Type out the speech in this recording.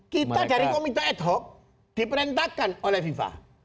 kita dari komite ad hoc diperintahkan oleh fifa